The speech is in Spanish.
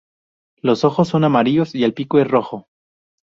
Los ojos son amarillos y el pico rojo.